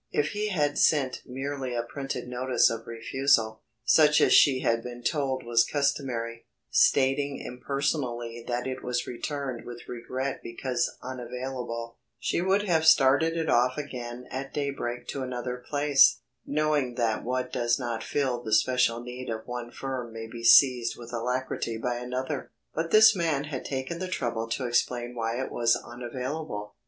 If he had sent merely a printed notice of refusal, such as she had been told was customary, stating impersonally that it was returned with regret because unavailable, she would have started it off again at daybreak to another place, knowing that what does not fill the special need of one firm may be seized with alacrity by another. But this man had taken the trouble to explain why it was unavailable.